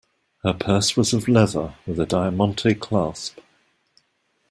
Her purse was of leather, with a diamante clasp.